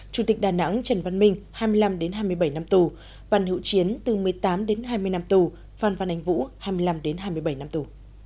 chủ tịch đà nẵng trần văn minh hai mươi năm hai mươi bảy năm tù văn hữu chiến từ một mươi tám đến hai mươi năm tù phan văn anh vũ hai mươi năm đến hai mươi bảy năm tù